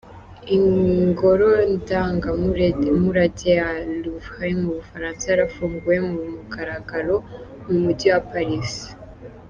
Ingoro ndangamurage ya Louvre mu Bufaransa yarafunguwe ku mugaragaro mu mujyi wa Paris.